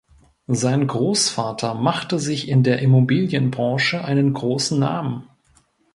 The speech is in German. Sein Großvater machte sich in der Immobilienbranche einen großen Namen.